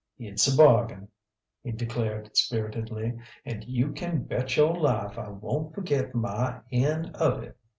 "It's a bargain!" he declared spiritedly. "And you can bet your life I won't forget my end of it!...